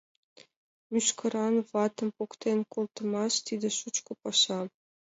Мӱшкыран ватым поктен колтымаш — тиде шучко паша.